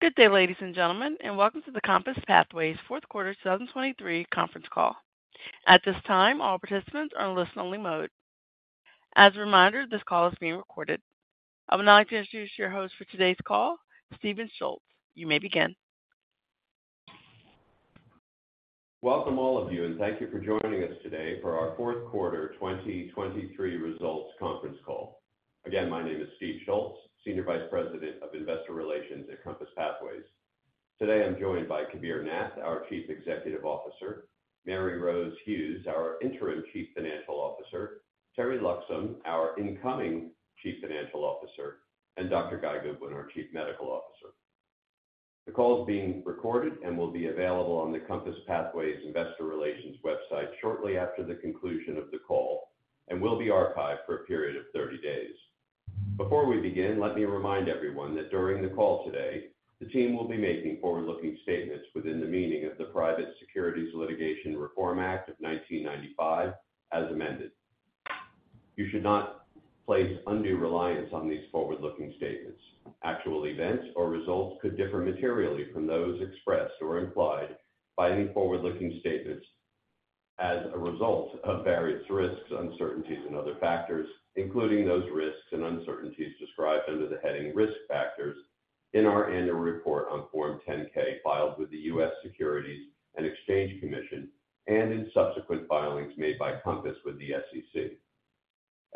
Good day, ladies and gentlemen, and welcome to the Compass Pathways fourth quarter 2023 conference call. At this time, all participants are in listen-only mode. As a reminder, this call is being recorded. I would now like to introduce your host for today's call, Steve Schultz. You may begin. Welcome, all of you, and thank you for joining us today for our fourth quarter 2023 results conference call. Again, my name is Steve Schultz, Senior Vice President of Investor Relations at Compass Pathways. Today, I'm joined by Kabir Nath, our Chief Executive Officer; Mary-Rose Hughes, our Interim Chief Financial Officer; Teri Loxam, our incoming Chief Financial Officer, and Dr. Guy Goodwin, our Chief Medical Officer. The call is being recorded and will be available on the Compass Pathways Investor Relations website shortly after the conclusion of the call and will be archived for a period of 30 days. Before we begin, let me remind everyone that during the call today, the team will be making forward-looking statements within the meaning of the Private Securities Litigation Reform Act of 1995, as amended. You should not place undue reliance on these forward-looking statements. Actual events or results could differ materially from those expressed or implied by any forward-looking statements as a result of various risks, uncertainties, and other factors, including those risks and uncertainties described under the heading Risk Factors in our annual report on Form 10-K, filed with the U.S. Securities and Exchange Commission and in subsequent filings made by Compass with the SEC.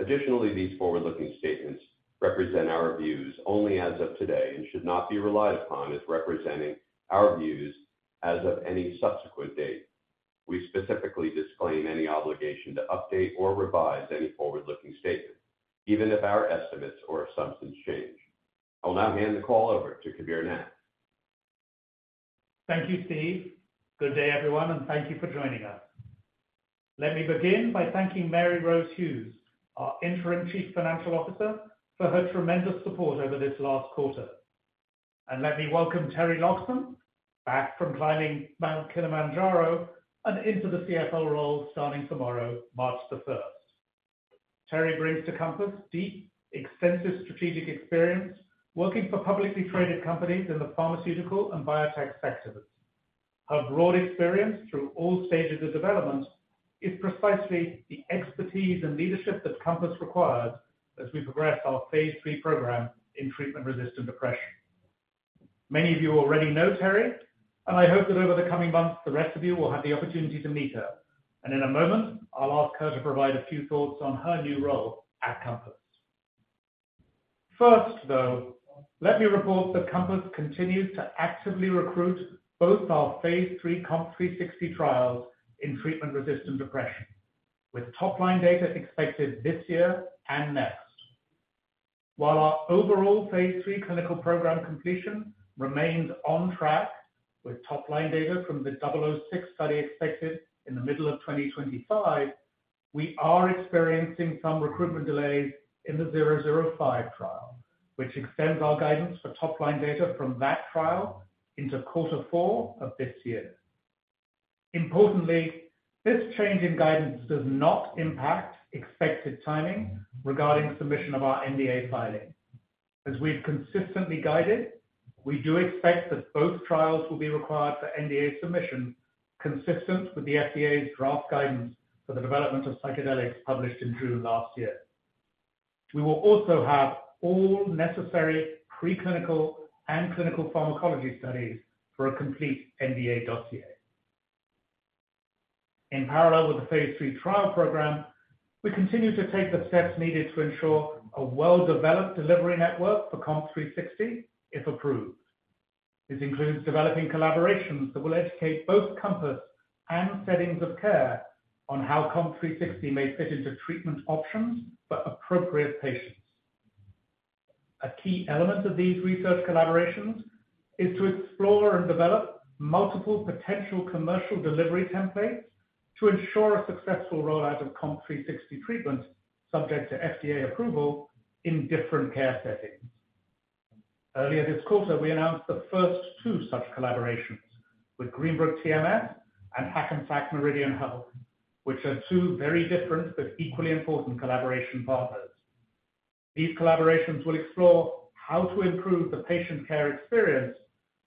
Additionally, these forward-looking statements represent our views only as of today and should not be relied upon as representing our views as of any subsequent date. We specifically disclaim any obligation to update or revise any forward-looking statements, even if our estimates or assumptions change. I will now hand the call over to Kabir Nath. Thank you, Steve. Good day, everyone, and thank you for joining us. Let me begin by thanking Mary-Rose Hughes, our interim Chief Financial Officer, for her tremendous support over this last quarter. Let me welcome Teri Loxam, back from climbing Mount Kilimanjaro and into the CFO role starting tomorrow, March 1st. Teri brings to Compass deep, extensive strategic experience working for publicly traded companies in the pharmaceutical and biotech sectors. Her broad experience through all stages of development is precisely the expertise and leadership that Compass requires as we progress our phase III program in treatment-resistant depression. Many of you already know Teri, and I hope that over the coming months, the rest of you will have the opportunity to meet her. In a moment, I'll ask her to provide a few thoughts on her new role at Compass. First, though, let me report that Compass continues to actively recruit both our phase III COMP360 trials in treatment-resistant depression, with top-line data expected this year and next. While our overall phase III clinical program completion remains on track, with top-line data from the COMP006 study expected in the middle of 2025, we are experiencing some recruitment delays in the COMP005 trial, which extends our guidance for top-line data from that trial into quarter four of this year. Importantly, this change in guidance does not impact expected timing regarding submission of our NDA filing. As we've consistently guided, we do expect that both trials will be required for NDA submission, consistent with the FDA's draft guidance for the development of psychedelics, published in June last year. We will also have all necessary preclinical and clinical pharmacology studies for a complete NDA dossier. In parallel with the phase III trial program, we continue to take the steps needed to ensure a well-developed delivery network for COMP360, if approved. This includes developing collaborations that will educate both Compass and settings of care on how COMP360 may fit into treatment options for appropriate patients. A key element of these research collaborations is to explore and develop multiple potential commercial delivery templates to ensure a successful rollout of COMP360 treatment, subject to FDA approval in different care settings. Earlier this quarter, we announced the first two such collaborations with Greenbrook TMS and Hackensack Meridian Health, which are two very different but equally important collaboration partners. These collaborations will explore how to improve the patient care experience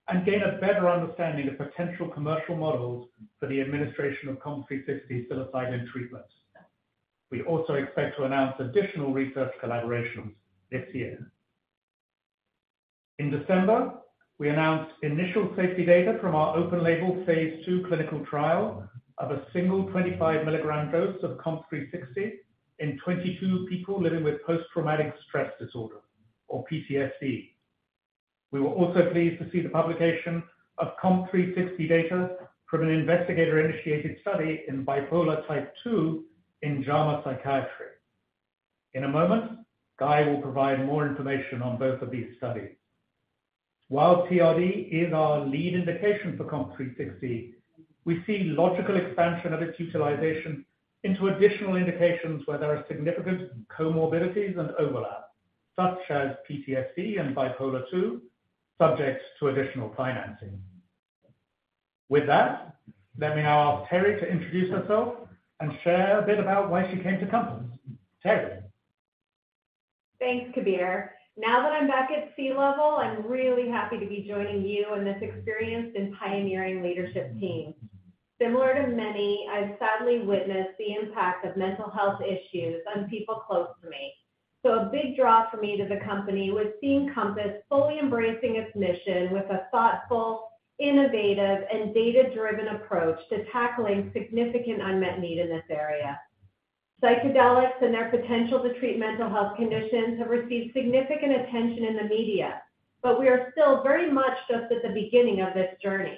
and gain a better understanding of potential commercial models for the administration of COMP360 psilocybin treatments. We also expect to announce additional research collaborations this year. In December, we announced initial safety data from our open label phase II clinical trial of a single 25 mg dose of COMP360 in 22 people living with post-traumatic stress disorder or PTSD. We were also pleased to see the publication of COMP360 data from an investigator-initiated study in bipolar type II in JAMA Psychiatry. In a moment, Guy will provide more information on both of these studies. While TRD is our lead indication for COMP360, we see logical expansion of its utilization into additional indications where there are significant comorbidities and overlap, such as PTSD and bipolar II, subject to additional financing. With that, let me now ask Teri to introduce herself and share a bit about why she came to Compass. Teri? Thanks, Kabir. Now that I'm back at C-level, I'm really happy to be joining you in this experienced and pioneering leadership team. Similar to many, I've sadly witnessed the impact of mental health issues on people close to me. So a big draw for me to the company was seeing Compass fully embracing its mission with a thoughtful, innovative, and data-driven approach to tackling significant unmet need in this area. Psychedelics and their potential to treat mental health conditions have received significant attention in the media, but we are still very much just at the beginning of this journey.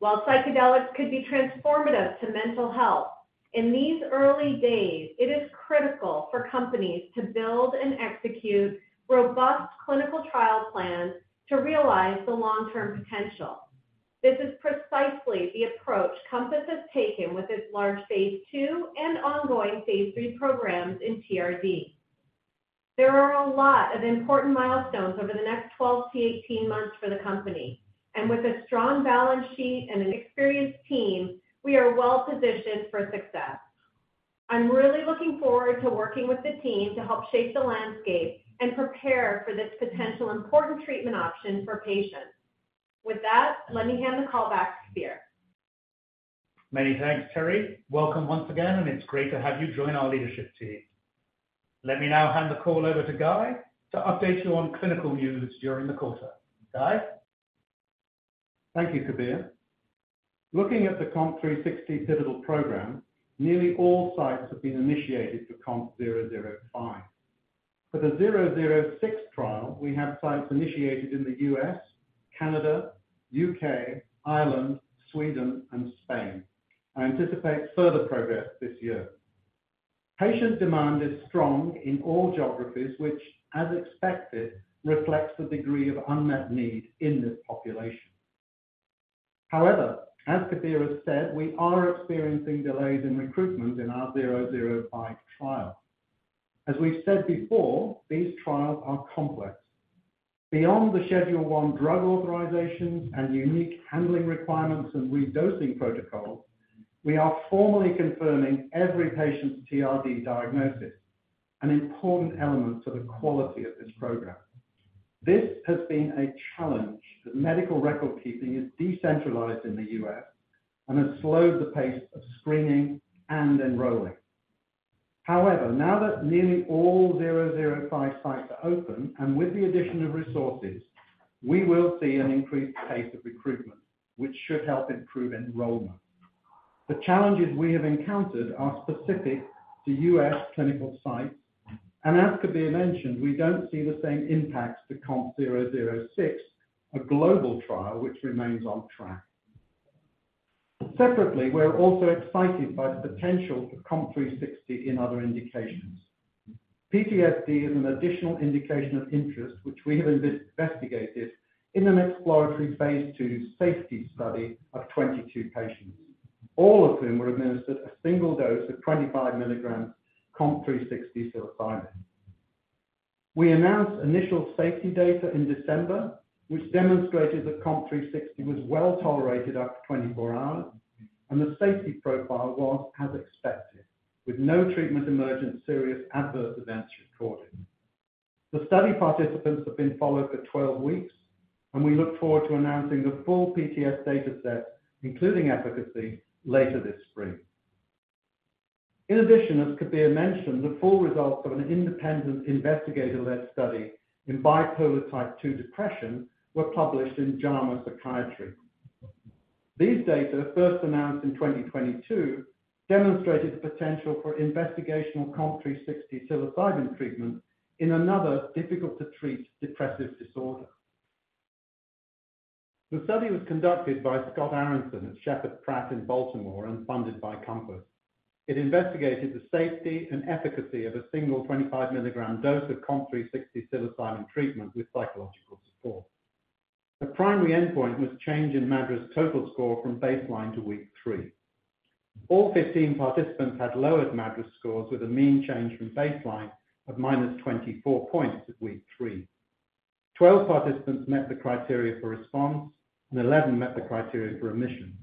While psychedelics could be transformative to mental health, in these early days, it is critical for companies to build and execute robust clinical trial plans to realize the long-term potential. This is precisely the approach Compass has taken with its large phase II and ongoing phase III programs in TRD. There are a lot of important milestones over the next 12-18 months for the company, and with a strong balance sheet and an experienced team, we are well positioned for success. I'm really looking forward to working with the team to help shape the landscape and prepare for this potential important treatment option for patients. With that, let me hand the call back to Kabir. Many thanks, Teri. Welcome once again, and it's great to have you join our leadership team. Let me now hand the call over to Guy to update you on clinical news during the quarter. Guy? Thank you, Kabir. Looking at the COMP360 pivotal program, nearly all sites have been initiated for COMP005. For the COMP006 trial, we have sites initiated in the U.S., Canada, U.K., Ireland, Sweden, and Spain. I anticipate further progress this year. Patient demand is strong in all geographies, which, as expected, reflects the degree of unmet need in this population. However, as Kabir has said, we are experiencing delays in recruitment in our COMP005 trial. As we've said before, these trials are complex. Beyond the Schedule I drug authorizations and unique handling requirements and redosing protocol, we are formally confirming every patient's TRD diagnosis, an important element to the quality of this program. This has been a challenge, as medical record keeping is decentralized in the U.S. and has slowed the pace of screening and enrolling. However, now that nearly all COMP005 sites are open, and with the addition of resources, we will see an increased pace of recruitment, which should help improve enrollment. The challenges we have encountered are specific to U.S. clinical sites, and as Kabir mentioned, we don't see the same impacts to COMP006, a global trial which remains on track. Separately, we're also excited by the potential for COMP360 in other indications. PTSD is an additional indication of interest, which we have investigated in an exploratory phase II safety study of 22 patients, all of whom were administered a single dose of 25 mg COMP360 psilocybin. We announced initial safety data in December, which demonstrated that COMP360 was well tolerated up to 24 hours, and the safety profile was as expected, with no treatment-emergent serious adverse events recorded. The study participants have been followed for 12 weeks, and we look forward to announcing the full PTSD data set, including efficacy, later this spring. In addition, as Kabir mentioned, the full results of an independent investigator-led study in bipolar type II depression were published in JAMA Psychiatry. These data, first announced in 2022, demonstrated the potential for investigational COMP360 psilocybin treatment in another difficult-to-treat depressive disorder. The study was conducted by Scott Aaronson at Sheppard Pratt in Baltimore and funded by Compass. It investigated the safety and efficacy of a single 25 milligram dose of COMP360 psilocybin treatment with psychological support. The primary endpoint was change in MADRS total score from baseline to week three. All 15 participants had lowered MADRS scores, with a mean change from baseline of -24 points at week three. 12 participants met the criteria for response, and 11 met the criteria for remission.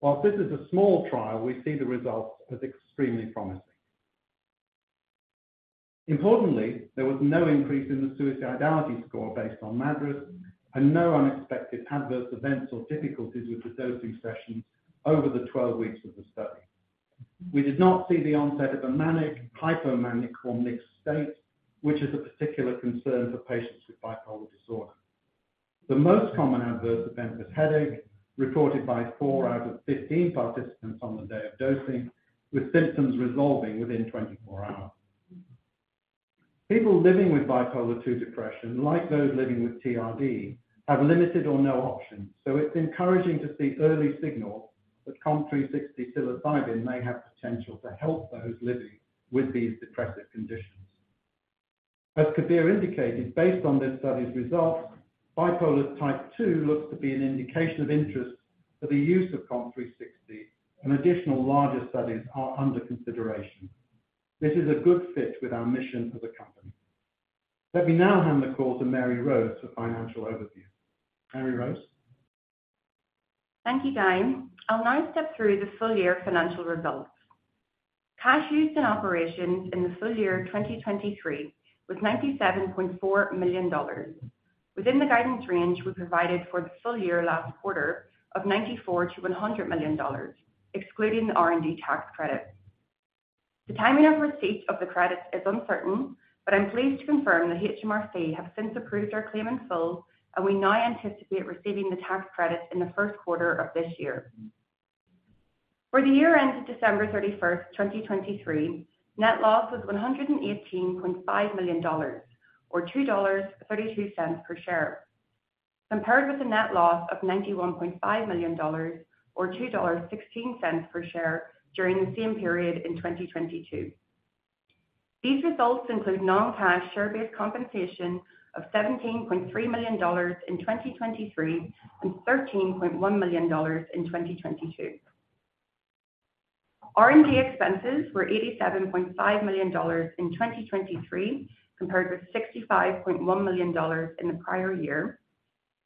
While this is a small trial, we see the results as extremely promising. Importantly, there was no increase in the suicidality score based on MADRS and no unexpected adverse events or difficulties with the dosing sessions over the 12 weeks of the study. We did not see the onset of a manic, hypomanic, or mixed state, which is a particular concern for patients with bipolar disorder. The most common adverse event was headache, reported by four out of 15 participants on the day of dosing, with symptoms resolving within 24 hours. People living with bipolar II depression, like those living with TRD, have limited or no options, so it's encouraging to see early signals that COMP360 psilocybin may have potential to help those living with these depressive conditions. As Kabir indicated, based on this study's results, bipolar type II looks to be an indication of interest for the use of COMP360, and additional larger studies are under consideration. This is a good fit with our mission as a company. Let me now hand the call to Mary-Rose for financial overview. Mary-Rose? Thank you, Guy. I'll now step through the full year financial results. Cash used in operations in the full year 2023 was $97.4 million, within the guidance range we provided for the full year last quarter of $94 million-$100 million, excluding the R&D tax credit. The timing of receipt of the credit is uncertain, but I'm pleased to confirm that HMRC have since approved our claim in full, and we now anticipate receiving the tax credit in the first quarter of this year. For the year ended December 31st, 2023, net loss was $118.5 million, or $2.32 per share, compared with a net loss of $91.5 million, or $2.16 per share during the same period in 2022. These results include non-cash share-based compensation of $17.3 million in 2023 and $13.1 million in 2022. R&D expenses were $87.5 million in 2023, compared with $65.1 million in the prior year,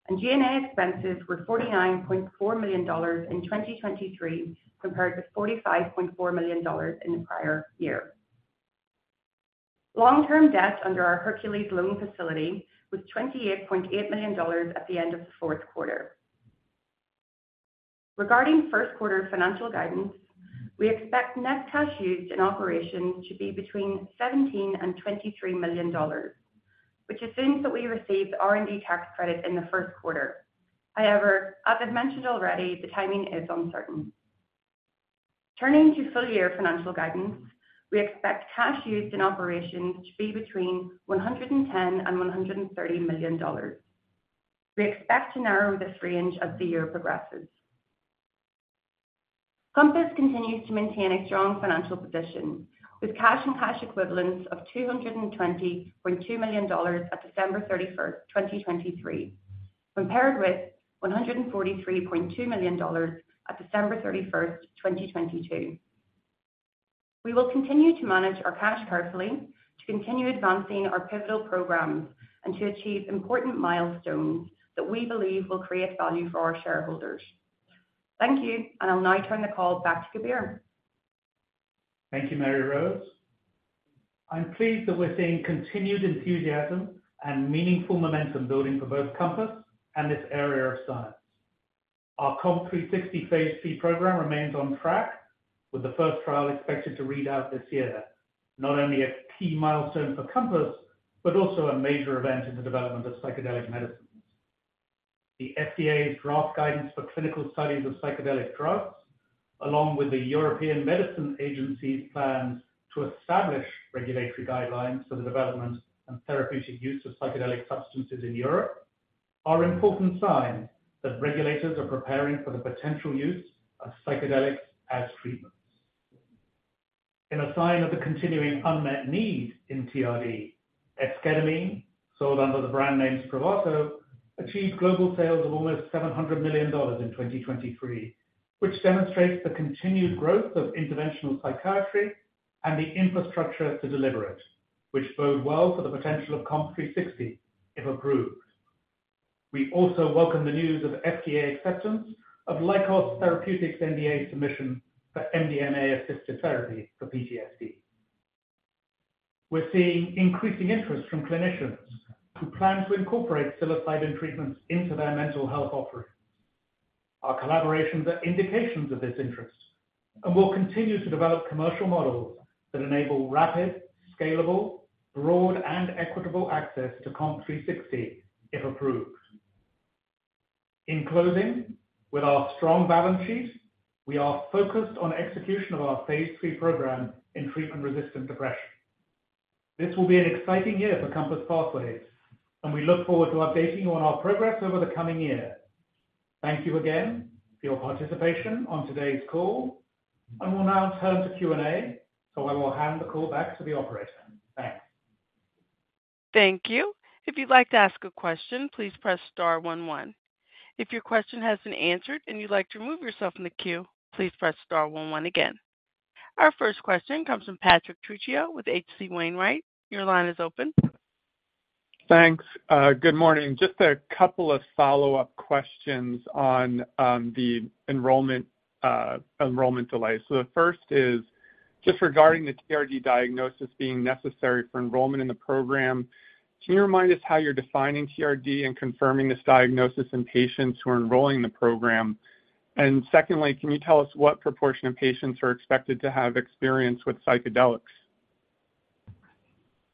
and G&A expenses were $49.4 million in 2023, compared to $45.4 million in the prior year. Long-term debt under our Hercules loan facility was $28.8 million at the end of the fourth quarter. Regarding first quarter financial guidance, we expect net cash used in operations to be between $17 million and $23 million, which assumes that we receive the R&D tax credit in the first quarter. However, as I've mentioned already, the timing is uncertain. Turning to full-year financial guidance, we expect cash used in operations to be between $110 million and $130 million. We expect to narrow this range as the year progresses. Compass continues to maintain a strong financial position, with cash and cash equivalents of $220.2 million at December 31st, 2023, compared with $143.2 million at December 31st, 2022. We will continue to manage our cash carefully to continue advancing our pivotal programs and to achieve important milestones that we believe will create value for our shareholders. Thank you, and I'll now turn the call back to Kabir. Thank you, Mary-Rose. I'm pleased that we're seeing continued enthusiasm and meaningful momentum building for both Compass and this area of science. Our COMP360 phase III program remains on track, with the first trial expected to read out this year. Not only a key milestone for Compass, but also a major event in the development of psychedelic medicines. The FDA's draft guidance for clinical studies of psychedelic drugs, along with the European Medicines Agency's plans to establish regulatory guidelines for the development and therapeutic use of psychedelic substances in Europe, are important signs that regulators are preparing for the potential use of psychedelics as treatments. In a sign of the continuing unmet need in TRD, esketamine, sold under the brand name Spravato, achieved global sales of almost $700 million in 2023, which demonstrates the continued growth of interventional psychiatry and the infrastructure to deliver it, which bode well for the potential of COMP360, if approved. We also welcome the news of FDA acceptance of Lykos Therapeutics NDA submission for MDMA-assisted therapy for PTSD. We're seeing increasing interest from clinicians who plan to incorporate psilocybin treatments into their mental health offerings. Our collaborations are indications of this interest, and we'll continue to develop commercial models that enable rapid, scalable, broad, and equitable access to COMP360, if approved. In closing, with our strong balance sheet, we are focused on execution of our phase III program in treatment-resistant depression. This will be an exciting year for Compass Pathways, and we look forward to updating you on our progress over the coming year. Thank you again for your participation on today's call, and we'll now turn to Q&A, so I will hand the call back to the operator. Thanks. Thank you. If you'd like to ask a question, please press star one one. If your question has been answered and you'd like to remove yourself from the queue, please press star one one again. Our first question comes from Patrick Trucchio with H.C. Wainwright. Your line is open. Thanks. Good morning. Just a couple of follow-up questions on the enrollment delay. So the first is just regarding the TRD diagnosis being necessary for enrollment in the program. Can you remind us how you're defining TRD and confirming this diagnosis in patients who are enrolling in the program? And secondly, can you tell us what proportion of patients are expected to have experience with psychedelics?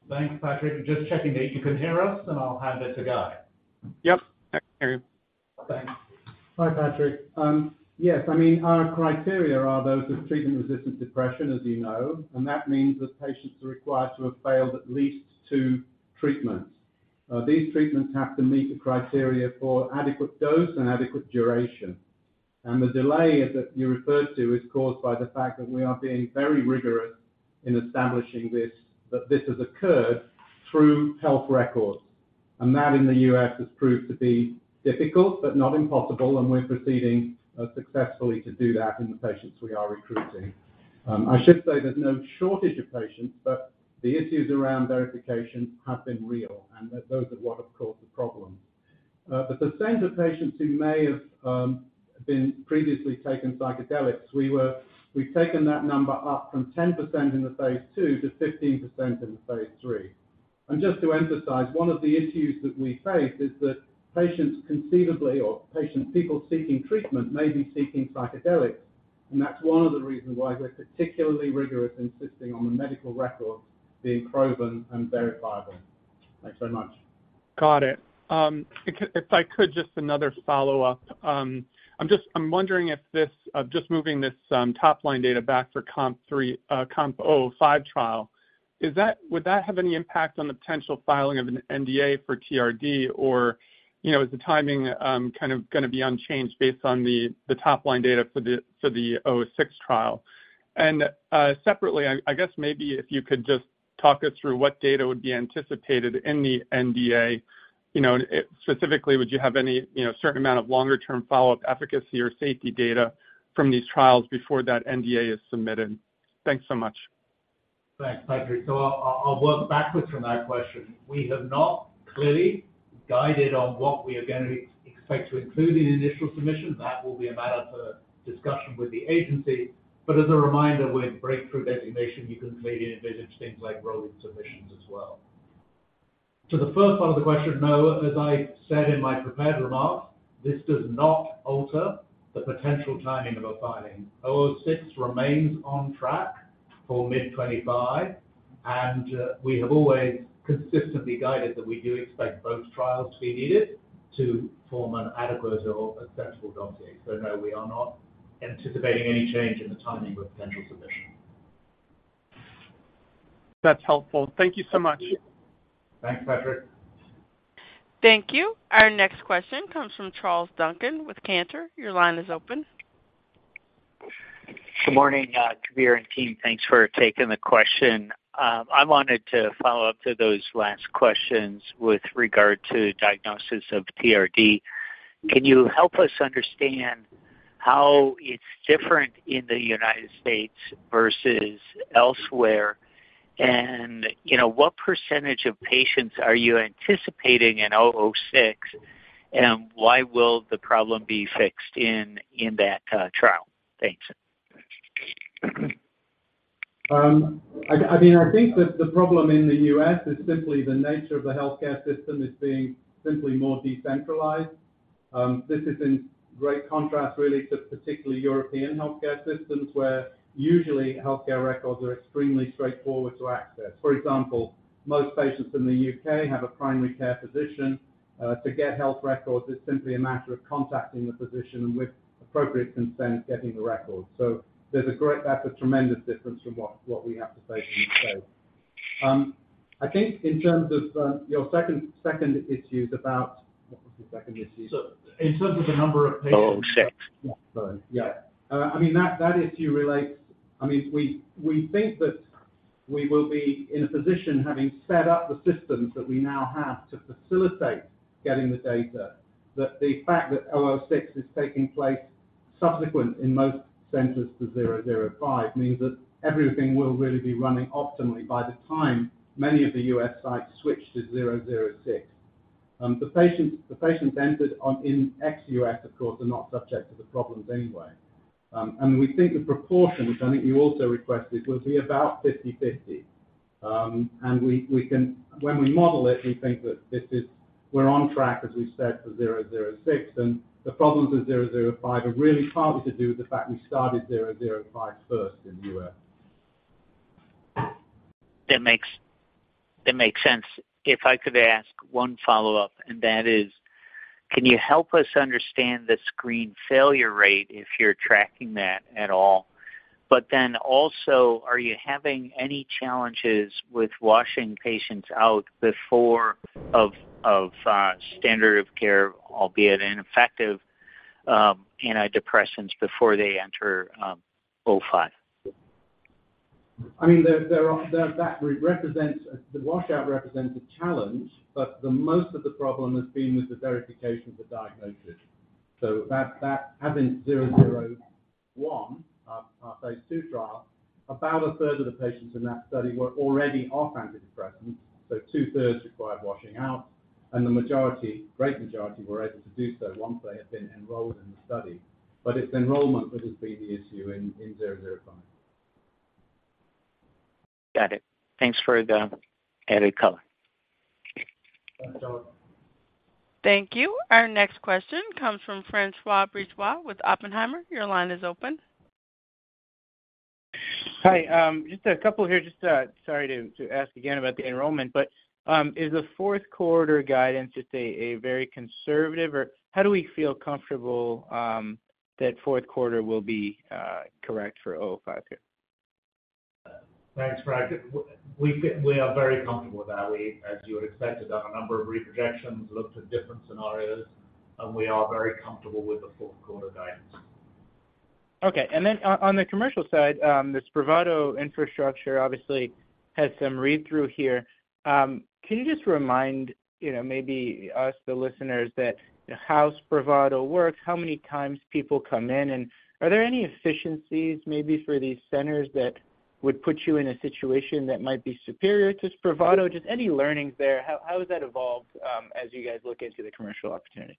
Thanks, Patrick. Just checking that you can hear us, and I'll hand it to Guy. Yep, I can hear you. Okay. Hi, Patrick. Yes, I mean, our criteria are those with treatment-resistant depression, as you know, and that means that patients are required to have failed at least two treatments. These treatments have to meet the criteria for adequate dose and adequate duration. The delay that you referred to is caused by the fact that we are being very rigorous in establishing this, that this has occurred through health records. And that in the U.S. has proved to be difficult, but not impossible, and we're proceeding successfully to do that in the patients we are recruiting. I should say there's no shortage of patients, but the issues around verification have been real, and those are what have caused the problem. But the center patients who may have been previously taken psychedelics, we've taken that number up from 10% in the phase II to 15% in the phase III. And just to emphasize, one of the issues that we face is that patients conceivably or patients, people seeking treatment, may be seeking psychedelics. And that's one of the reasons why we're particularly rigorous insisting on the medical records being proven and verifiable. Thanks so much. Got it. If I could, just another follow-up. I'm just wondering if this just moving this top-line data back for COMP005 trial. Would that have any impact on the potential filing of an NDA for TRD? Or, you know, is the timing kind of gonna be unchanged based on the top-line data for the COMP006 trial? And, separately, I guess maybe if you could just talk us through what data would be anticipated in the NDA. You know, specifically, would you have any you know certain amount of longer-term follow-up efficacy or safety data from these trials before that NDA is submitted? Thanks so much. Thanks, Patrick. So I'll work backwards from that question. We have not clearly guided on what we are going to expect to include in the initial submission. That will be a matter for discussion with the agency. But as a reminder, with breakthrough designation, you can clearly envisage things like rolling submissions as well. To the first part of the question, no, as I said in my prepared remarks, this does not alter the potential timing of a filing. COMP006 remains on track for mid-2025, and we have always consistently guided that we do expect both trials to be needed to form an adequate or acceptable dossier. So no, we are not anticipating any change in the timing of a potential submission. That's helpful. Thank you so much. Thanks, Patrick. Thank you. Our next question comes from Charles Duncan with Cantor. Your line is open. Good morning, Kabir and team. Thanks for taking the question. I wanted to follow up to those last questions with regard to diagnosis of TRD. Can you help us understand how it's different in the United States versus elsewhere? And, you know, what percentage of patients are you anticipating in COMP006, and why will the problem be fixed in that trial? Thanks. I mean, I think that the problem in the U.S. is simply the nature of the healthcare system is being simply more decentralized. This is in great contrast, really, to particularly European healthcare systems, where usually healthcare records are extremely straightforward to access. For example, most patients in the U.K. have a primary care physician. To get health records, it's simply a matter of contacting the physician and with appropriate consent, getting the records. So there's a great—that's a tremendous difference from what we have to say in the States. I think in terms of your second issues about... What was the second issue? In terms of the number of patients- 006. Yeah. I mean, that issue relates. I mean, we, we think that we will be in a position, having set up the systems that we now have to facilitate getting the data, that the fact that 006 is taking place subsequent in most centers to 005, means that everything will really be running optimally by the time many of the U.S. sites switch to 006. The patients, the patients entered on in ex-U.S., of course, are not subject to the problems anyway. And we think the proportions, I think you also requested, will be about 50/50. We can, when we model it, we think that this is. We're on track, as we said, for 006, and the problems with 005 are really partly to do with the fact we started 005 first in the U.S. That makes, that makes sense. If I could ask one follow-up, and that is: Can you help us understand the screen failure rate, if you're tracking that at all? But then also, are you having any challenges with washing patients out before standard of care, albeit ineffective, antidepressants before they enter COMP005? I mean, that represents the washout represents a challenge, but the most of the problem has been with the verification of the diagnosis. So that having 001, our phase II trial, about a third of the patients in that study were already off antidepressants, so 2/3 required washing out, and the majority, great majority, were able to do so once they had been enrolled in the study. But it's enrollment that has been the issue in 005. Got it. Thanks for the added color. Thanks, Charles. Thank you. Our next question comes from François Brisebois with Oppenheimer. Your line is open. Hi, just a couple here. Just sorry to ask again about the enrollment, but is the fourth quarter guidance just a very conservative, or how do we feel comfortable that fourth quarter will be correct for COMP005, too? Thanks, François. We feel we are very comfortable with that. We, as you would expect, have done a number of projections, looked at different scenarios, and we are very comfortable with the fourth quarter guidance. Okay, and then on the commercial side, the Spravato infrastructure obviously has some read-through here. Can you just remind, you know, maybe us, the listeners, that how Spravato works, how many times people come in, and are there any efficiencies maybe for these centers that would put you in a situation that might be superior to Spravato? Just any learnings there. How has that evolved as you guys look into the commercial opportunity?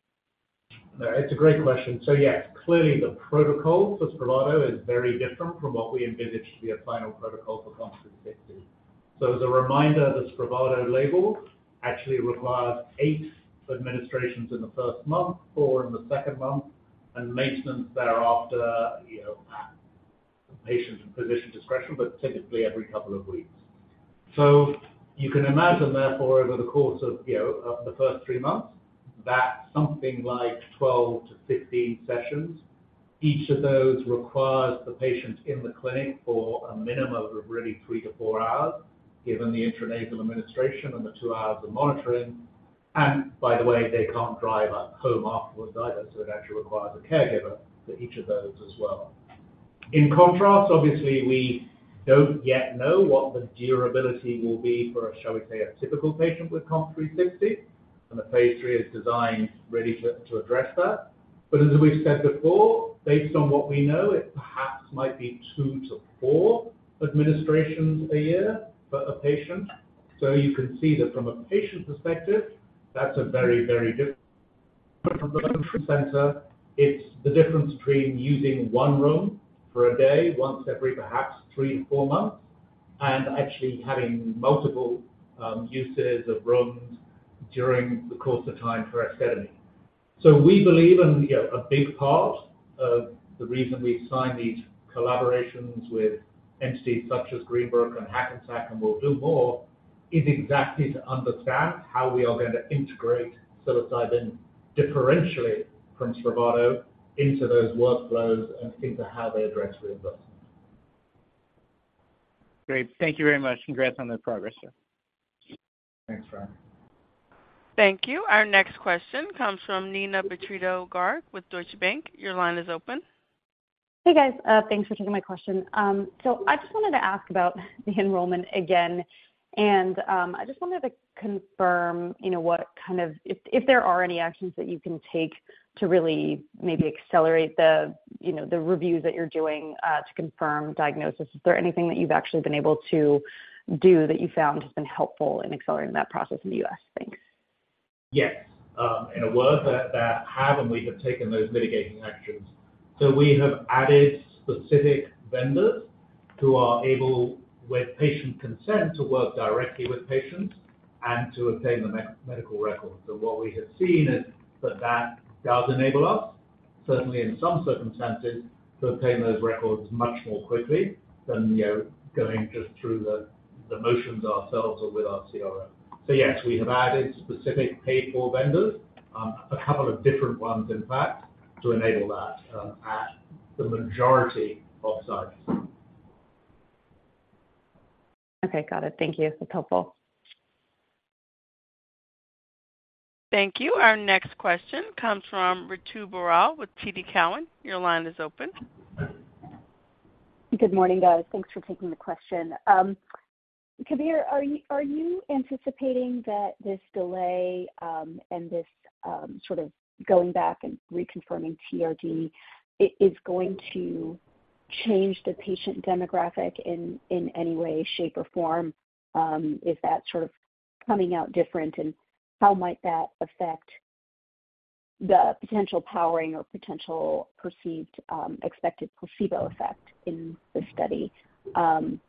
It's a great question. So yes, clearly the protocol for Spravato is very different from what we envisaged to be a final protocol for COMP360. So as a reminder, the Spravato label actually requires eight administrations in the first month, four in the second month, and maintenance thereafter, you know, at patient and physician discretion, but typically every couple of weeks. So you can imagine, therefore, over the course of, you know, the first three months, that's something like 12-15 sessions. Each of those requires the patient in the clinic for a minimum of really three-four hours, given the intranasal administration and the two hours of monitoring. And by the way, they can't drive home afterwards either, so it actually requires a caregiver for each of those as well. In contrast, obviously, we don't yet know what the durability will be for a, shall we say, a typical patient with COMP360, and the phase III is designed really to address that. But as we've said before, based on what we know, it perhaps might be two-four administrations a year for a patient. So you can see that from a patient perspective, that's a very, very different center. It's the difference between using one room for a day, once every, perhaps three-four months, and actually having multiple uses of rooms during the course of time for esketamine. So we believe, and, you know, a big part of the reason we've signed these collaborations with entities such as Greenbrook and Hackensack, and we'll do more, is exactly to understand how we are going to integrate psilocybin differentially from Spravato into those workflows and think of how they address reimbursement. Great. Thank you very much. Congrats on the progress, sir. Thanks, François. Thank you. Our next question comes from Neena Bitritto-Garg with Deutsche Bank. Your line is open. Hey, guys. Thanks for taking my question. So I just wanted to ask about the enrollment again. I just wanted to confirm, you know, what kind of, if there are any actions that you can take to really maybe accelerate the, you know, the reviews that you're doing to confirm diagnosis. Is there anything that you've actually been able to do that you found has been helpful in accelerating that process in the U.S.? Thanks. Yes. And we have taken those mitigating actions. So we have added specific vendors who are able, with patient consent, to work directly with patients and to obtain the medical records. So what we have seen is that does enable us, certainly in some circumstances, to obtain those records much more quickly than, you know, going just through the motions ourselves or with our CRO. So yes, we have added specific paid-for vendors, a couple of different ones in fact, to enable that, at the majority of sites. Okay, got it. Thank you. That's helpful. Thank you. Our next question comes from Ritu Baral with TD Cowen. Your line is open. Good morning, guys. Thanks for taking the question. Kabir, are you anticipating that this delay and this sort of going back and reconfirming TRD is going to change the patient demographic in any way, shape, or form? Is that sort of coming out different, and how might that affect the potential powering or potential perceived expected placebo effect in this study? And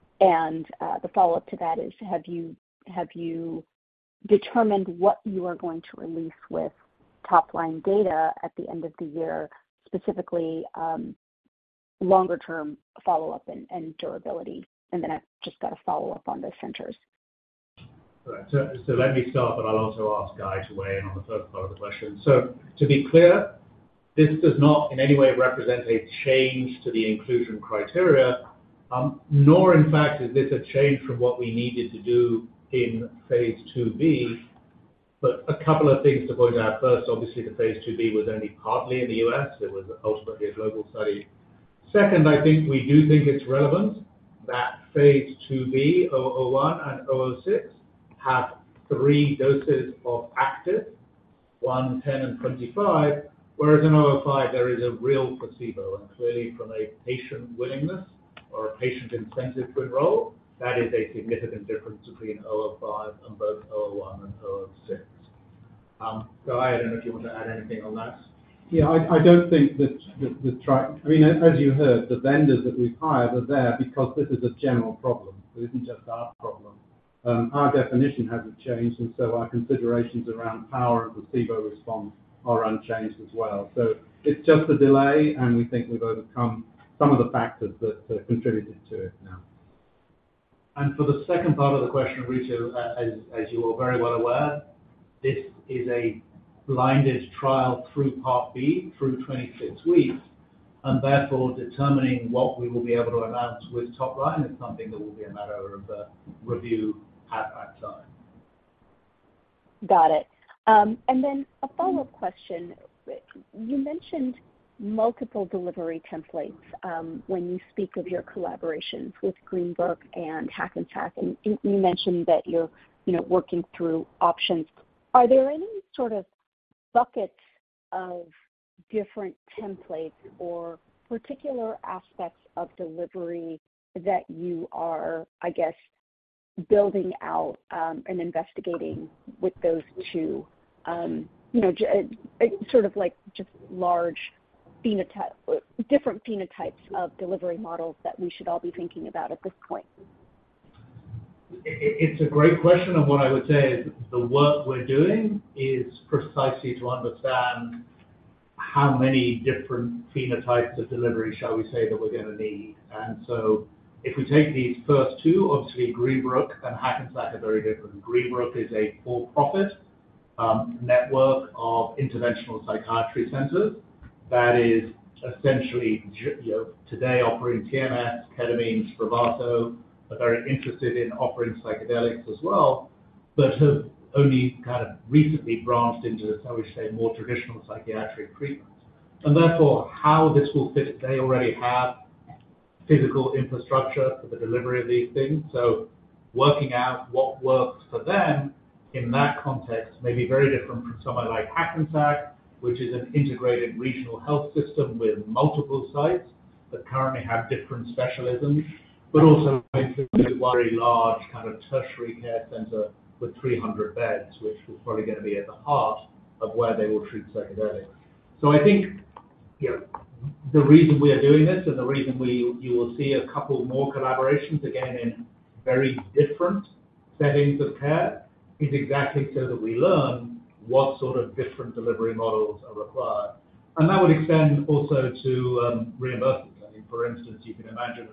the follow-up to that is, have you determined what you are going to release with top-line data at the end of the year, specifically longer-term follow-up and durability? And then I've just got a follow-up on the centers. Right. So, so let me start, but I'll also ask Guy to weigh in on the third part of the question. So to be clear, this does not in any way represent a change to the inclusion criteria, nor in fact, is this a change from what we needed to do in phase II-B. But a couple of things to point out. First, obviously, the phase II-B was only partly in the U.S. It was ultimately a global study. Second, I think we do think it's relevant that phase II-B, 001 and 006, have three doses of active, one, 10 and 25, whereas in 005 there is a real placebo. And clearly from a patient willingness or a patient incentive to enroll, that is a significant difference between 005 and both 001 and 006. Guy, I don't know if you want to add anything on that. Yeah, I don't think that the trial—I mean, as you heard, the vendors that we've hired are there because this is a general problem. It isn't just our problem. Our definition hasn't changed, and so our considerations around power and placebo response are unchanged as well. So it's just a delay, and we think we've overcome some of the factors that contributed to it now. For the second part of the question, Ritu, as you are very well aware, this is a blinded trial through Part B, through 26 weeks, and therefore determining what we will be able to announce with top line is something that will be a matter of review at that time. Got it. And then a follow-up question. You mentioned multiple delivery templates, when you speak of your collaborations with Greenbrook and Hackensack, and you mentioned that you're, you know, working through options. Are there any sort of buckets of different templates or particular aspects of delivery that you are, I guess, building out, and investigating with those two? You know, sort of like just large phenotype, different phenotypes of delivery models that we should all be thinking about at this point. It's a great question, and what I would say is the work we're doing is precisely to understand how many different phenotypes of delivery, shall we say, that we're going to need. And so if we take these first two, obviously, Greenbrook and Hackensack are very different. Greenbrook is a for-profit network of interventional psychiatry centers that is essentially you know, today offering TMS, esketamine, Spravato, are very interested in offering psychedelics as well, but have only kind of recently branched into this, how we say, more traditional psychiatric treatments. And therefore, how this will fit. They already have physical infrastructure for the delivery of these things, so working out what works for them in that context may be very different from someone like Hackensack, which is an integrated regional health system with multiple sites that currently have different specialisms, but also includes one very large kind of tertiary care center with 300 beds, which is probably going to be at the heart of where they will treat psychedelics. So I think, you know, the reason we are doing this and the reason you will see a couple more collaborations, again, in very different settings of care, is exactly so that we learn what sort of different delivery models are required. And that would extend also to reimbursements. I mean, for instance, you can imagine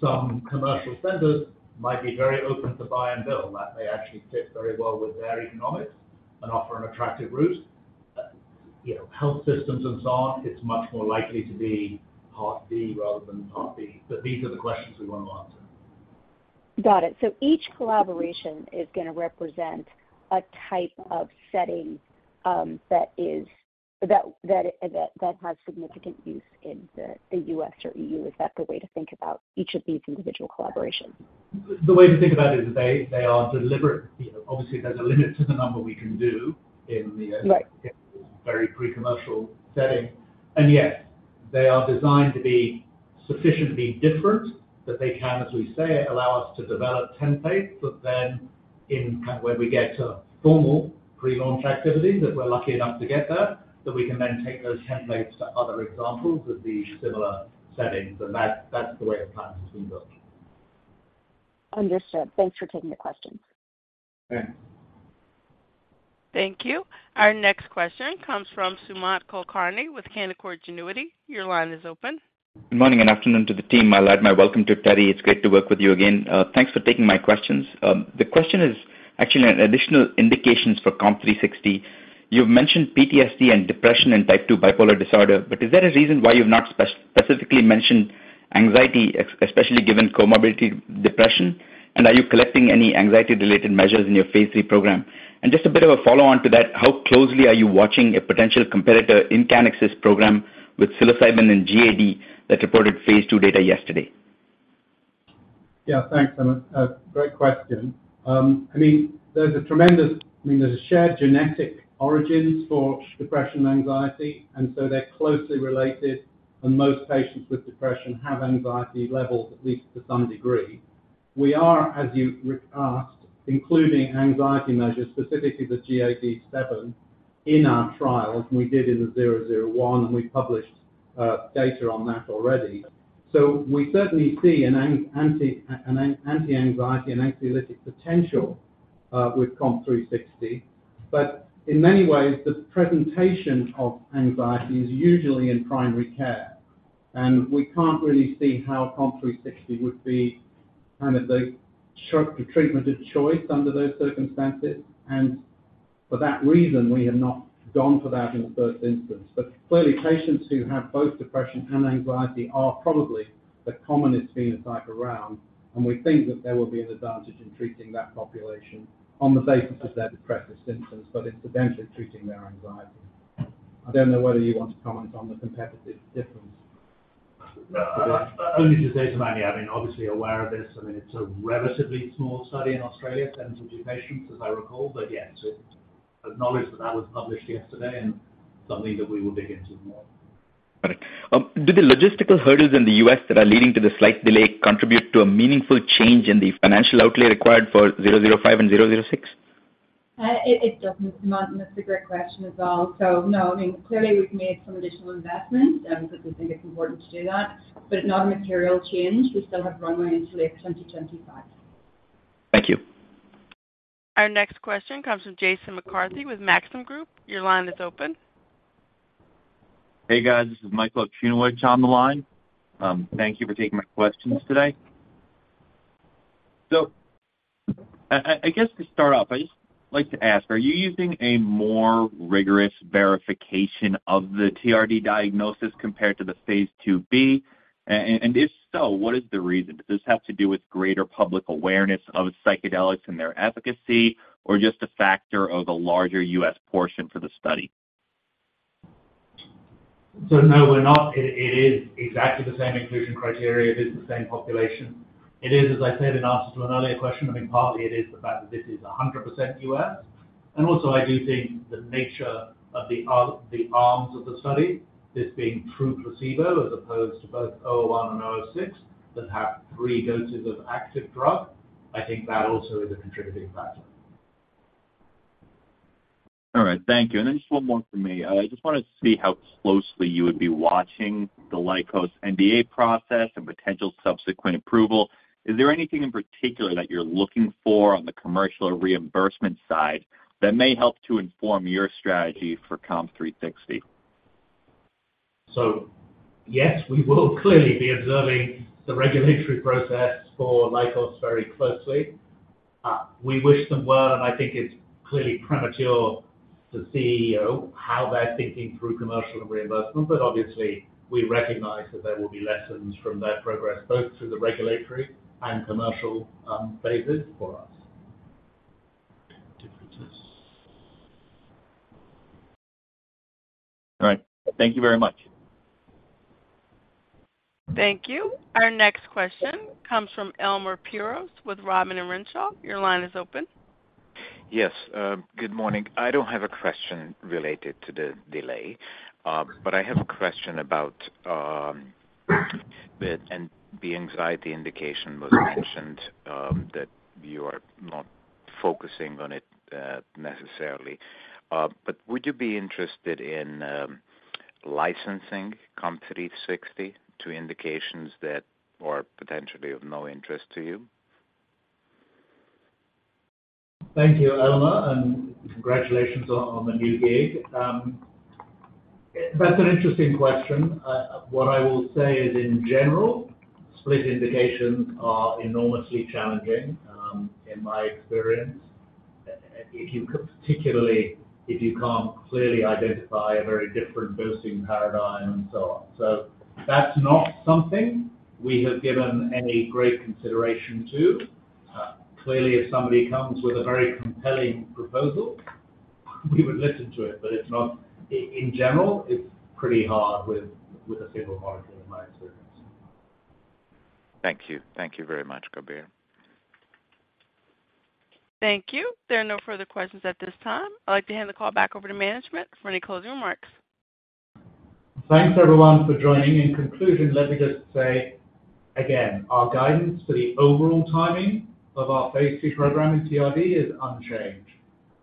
some commercial centers might be very open to buy and bill. That may actually fit very well with their economics and offer an attractive route. You know, health systems and so on, it's much more likely to be Part D rather than Part B. But these are the questions we want to answer. Got it. So each collaboration is going to represent a type of setting, that is that has significant use in the U.S. or EU. Is that the way to think about each of these individual collaborations? The way to think about it is they, they are deliberate. You know, obviously, there's a limit to the number we can do in the- Right. Very pre-commercial setting. Yes, they are designed to be sufficiently different, that they can, as we say, allow us to develop templates, but then in kind... where we get to formal pre-launch activities, if we're lucky enough to get there, that we can then take those templates to other examples with the similar settings, and that, that's the way the plan has been built. Understood. Thanks for taking the question. Okay. Thank you. Our next question comes from Sumant Kulkarni with Canaccord Genuity. Your line is open. Good morning and afternoon to the team. I'd like to welcome Teri. It's great to work with you again. Thanks for taking my questions. The question is actually on additional indications for COMP360. You've mentioned PTSD and depression and type two bipolar disorder, but is there a reason why you've not specifically mentioned anxiety, especially given comorbidity depression? And are you collecting any anxiety-related measures in your phase three program? And just a bit of a follow-on to that, how closely are you watching a potential competitor Incannex's program with psilocybin and GAD that reported phase II data yesterday? Yeah, thanks, Sumant. Great question. I mean, there's a tremendous, I mean, there's a shared genetic origins for depression and anxiety, and so they're closely related, and most patients with depression have anxiety levels, at least to some degree. We are, as you asked, including anxiety measures, specifically the GAD-7, in our trials, and we did in the 001, and we published data on that already. So we certainly see an anti-anxiety and anxiolytic potential with COMP360. But in many ways, the presentation of anxiety is usually in primary care, and we can't really see how COMP360 would be kind of the short treatment of choice under those circumstances. And for that reason, we have not gone for that in the first instance. But clearly, patients who have both depression and anxiety are probably the commonest phenotype around, and we think that there will be an advantage in treating that population on the basis of their depressive symptoms, but incidentally, treating their anxiety. I don't know whether you want to comment on the competitive difference. Only to say, Sumant, I mean, obviously aware of this. I mean, it's a relatively small study in Australia, 72 patients, as I recall. But yeah, to acknowledge that that was published yesterday and something that we will dig into more. Got it. Do the logistical hurdles in the U.S. that are leading to the slight delay contribute to a meaningful change in the financial outlay required for 005 and 006? It doesn't, Sumant, and that's a great question as well. So no, I mean, clearly we've made some additional investments, because we think it's important to do that, but not a material change. We still have runway into, like, 2025. Thank you. Our next question comes from Jason McCarthy with Maxim Group. Your line is open. Hey, guys. This is Michael Okunewitch on the line. Thank you for taking my questions today. I guess to start off, I'd just like to ask, are you using a more rigorous verification of the TRD diagnosis compared to the phase II-B? And if so, what is the reason? Does this have to do with greater public awareness of psychedelics and their efficacy, or just a factor of a larger U.S. portion for the study? So no, we're not. It is exactly the same inclusion criteria. It is the same population. It is, as I said, in answer to an earlier question, I mean, partly it is the fact that this is 100% US. And also I do think the nature of the arms of the study, this being true placebo, as opposed to both 001 and 006, that have three doses of active drug, I think that also is a contributing factor. All right. Thank you. And then just one more from me. I just wanted to see how closely you would be watching the Lykos NDA process and potential subsequent approval. Is there anything in particular that you're looking for on the commercial or reimbursement side, that may help to inform your strategy for COMP360? So yes, we will clearly be observing the regulatory process for Lykos very closely. We wish them well, and I think it's clearly premature to see, you know, how they're thinking through commercial and reimbursement. But obviously, we recognize that there will be lessons from their progress, both through the regulatory and commercial, phases for us. Differences. All right. Thank you very much. Thank you. Our next question comes from Elemer Piros, with Roth Capital Partners. Your line is open. Yes. Good morning. I don't have a question related to the delay, but I have a question about the anxiety indication that was mentioned, that you are not focusing on it necessarily. But would you be interested in licensing COMP360 to indications that are potentially of no interest to you? Thank you, Elemer, and congratulations on the new gig. That's an interesting question. What I will say is, in general, split indications are enormously challenging, in my experience, particularly if you can't clearly identify a very different dosing paradigm and so on. So that's not something we have given any great consideration to. Clearly, if somebody comes with a very compelling proposal, we would listen to it, but it's not—in general, it's pretty hard with a single molecule, in my experience. Thank you. Thank you very much, Kabir. Thank you. There are no further questions at this time. I'd like to hand the call back over to management for any closing remarks. Thanks, everyone, for joining. In conclusion, let me just say again, our guidance for the overall timing of our phase II program in TRD is unchanged.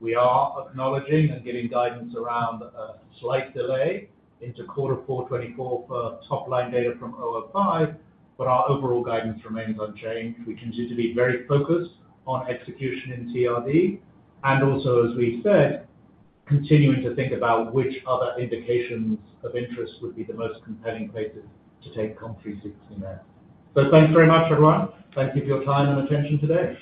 We are acknowledging and giving guidance around a slight delay into quarter four 2024 for top-line data from COMP005, but our overall guidance remains unchanged. We continue to be very focused on execution in TRD, and also, as we said, continuing to think about which other indications of interest would be the most compelling places to take COMP360 next. So thanks very much, everyone. Thank you for your time and attention today.